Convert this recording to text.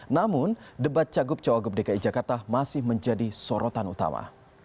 namun debat cagup cawagup dki jakarta masih menjadi sorotan utama